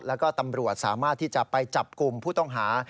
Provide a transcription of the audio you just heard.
แล้วก็ตำรวจสามารถที่จะไปจับกลุ่มผู้ต้องหา